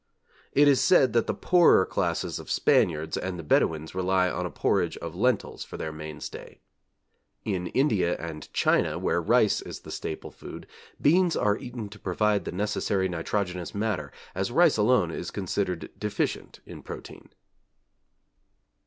It is said that the poorer classes of Spaniards and the Bedouins rely on a porridge of lentils for their mainstay. In India and China where rice is the staple food, beans are eaten to provide the necessary nitrogenous matter, as rice alone is considered deficient in protein.